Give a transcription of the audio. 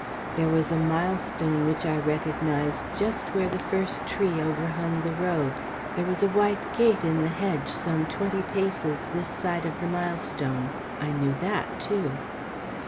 There was a milestone which I recognised just where the first tree overhung the road; there was a white gate in the hedge some twenty paces this side of the milestone. I knew that too.